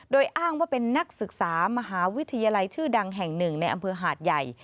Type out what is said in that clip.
โดยอ้างว่าเป็นนักศึกษามหาวิทยาลัยชื่อดังแห่งหนึ่งในอำเภอหาดใหญ่